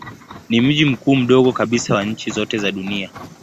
Ni mji mkuu mdogo kabisa wa nchi zote za dunia.